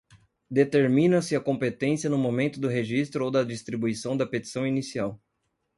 Determina-se a competência no momento do registro ou da distribuição da petição inicial